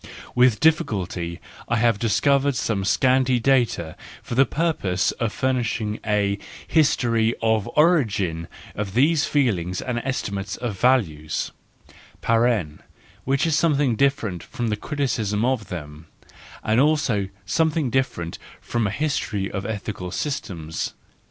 With difficulty I have discovered some scanty data for the purpose of furnishing a history of the origin of these feelings and estimates of value (which is something different from a criticism of them, and also something differ¬ ent from a history of ethical systems).